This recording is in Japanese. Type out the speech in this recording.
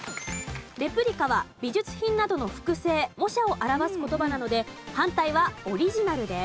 レプリカは美術品などの複製・模写などを表す言葉なので反対はオリジナルです。